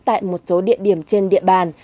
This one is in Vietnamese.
tại một số địa điểm trên địa bàn